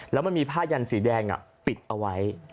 แล้วมันมีผ้ายันสีแดงปิดเอาไว้